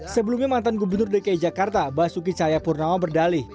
sebelumnya mantan gubernur dki jakarta basuki cahaya purnama berdalih